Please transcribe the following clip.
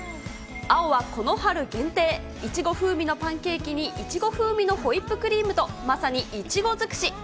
青はこの春限定、いちご風味のパンケーキにいちご風味のホイップクリームとまさにいちご尽くし。